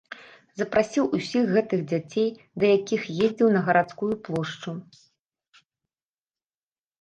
Запрасіў усіх гэтых дзяцей, да якіх ездзіў, на гарадскую плошчу.